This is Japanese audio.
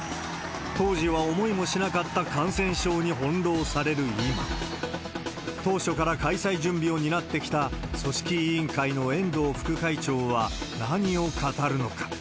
当時は思いもしなかった感染症に翻弄される今、当初から開催準備を担ってきた組織委員会の遠藤副会長は何を語るのか。